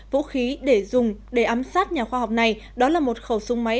vũ khí để dùng để ám sát nhà khoa học này đó là một khẩu súng máy